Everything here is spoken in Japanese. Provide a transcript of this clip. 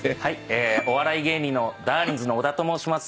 お笑い芸人のだーりんずの小田と申します。